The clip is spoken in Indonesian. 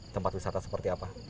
tempat wisata seperti apa